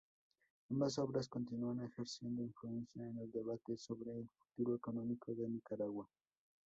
Ambas obras continúan ejerciendo influencia en el debate sobre el futuro económico de Nicaragua.